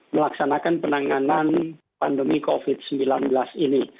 melaksanakan penanganan pandemi covid sembilan belas ini